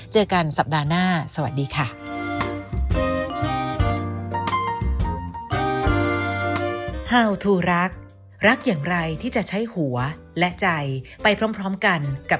เจอกันสัปดาห์หน้าสวัสดีค่ะ